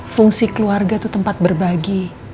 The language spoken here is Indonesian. fungsi keluarga itu tempat berbagi